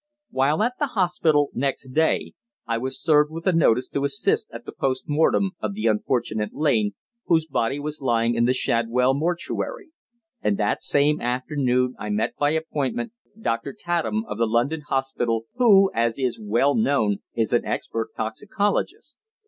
While at the hospital next day I was served with a notice to assist at the post mortem of the unfortunate Lane, whose body was lying in the Shadwell mortuary; and that same afternoon I met by appointment Doctor Tatham, of the London Hospital, who, as is well known, is an expert toxicologist.